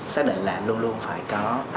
xác định là luôn luôn phải có